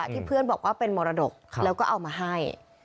เพื่อนบอกว่าเป็นมรดกแล้วก็เอามาให้